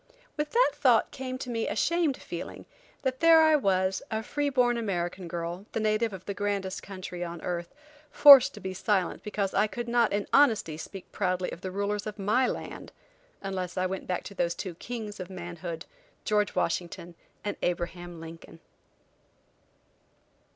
With that thought came to me a shamed feeling that there I was, a free born American girl, the native of the grandest country on earth, forced to be silent because I could not in honesty speak proudly of the rulers of my land, unless I went back to those two kings of manhood, George Washington and Abraham Lincoln.